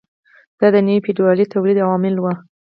دا د نوي فیوډالي تولید عوامل وو.